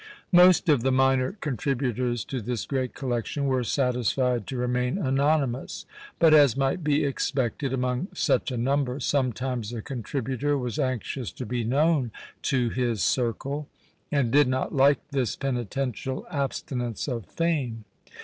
Most of the minor contributors to this great collection were satisfied to remain anonymous; but as might be expected among such a number, sometimes a contributor was anxious to be known to his circle; and did not like this penitential abstinence of fame.